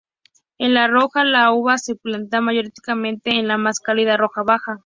En La Rioja, la uva se planta mayoritariamente en la más cálida Rioja Baja.